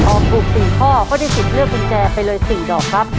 ถูก๔ข้อก็ได้สิทธิ์เลือกกุญแจไปเลย๔ดอกครับ